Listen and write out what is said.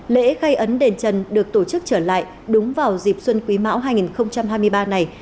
lễ khai ấn đền trần được tổ chức trở lại đúng vào dịp xuân quý mão hai nghìn hai mươi ba này